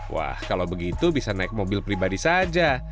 wah kalau begitu bisa naik mobil pribadi saja